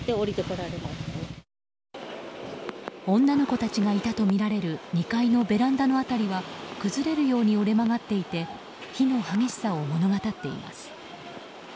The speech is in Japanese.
女の子たちがいたとみられる２階のベランダの辺りは崩れるように折れ曲がっていて火の激しさを物語っています。